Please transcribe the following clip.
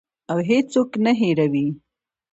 او هیڅوک نه هیروي.